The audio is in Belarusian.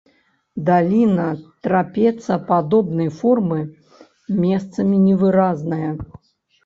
Даліна трапецападобнай формы, месцамі невыразная.